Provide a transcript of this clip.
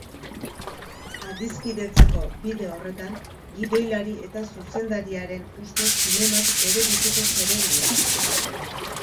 Adiskidetzeko bide horretan, gidoilari eta zuzendariaren ustez, zinemak berebiziko zeregina du.